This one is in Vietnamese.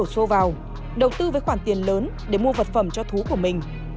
anh t đã đổ xô vào đầu tư với khoản tiền lớn để mua vật phẩm cho thú của mình